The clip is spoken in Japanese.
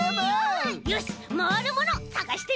よしまわるものさがしてみよう！